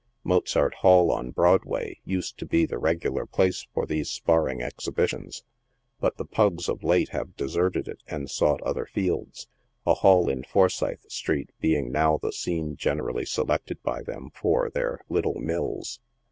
Mozart Hall, on Broadway, used to be the regular place for these sparring exhibitions, but the " pugs" of late have deserted it and sought other fields, a hall in Forsyth street being now the scene generally selected by them for their " little mills."